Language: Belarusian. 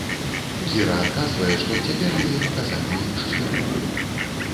Кіра адказвае, што цяпер яе паказанні шчырыя.